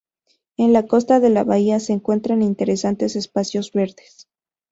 En la costa de la bahía se encuentran interesantes espacios verdes.